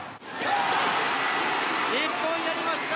日本、やりました！